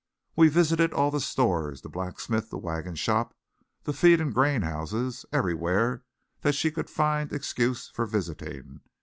We visited all the stores, the blacksmith, the wagon shop, the feed and grain houses everywhere that she could find excuse for visiting.